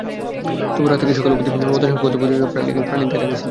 তবু রাত থেকে সকাল অবধি মমতার সঙ্গে কথোপকথনই প্রাণিত রাখে শিল্পীকে।